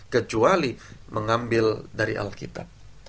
kecuali mengambil dari alkitab